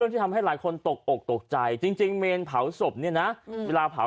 ที่ทำให้หลายคนตกอกตกใจจริงเมนเผาศพเนี่ยนะเวลาเผา